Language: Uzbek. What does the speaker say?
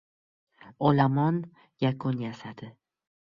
Olomon yakun yasadi: